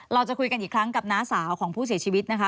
เราจะคุยกันอีกครั้งกับน้าสาวของผู้เสียชีวิตนะคะ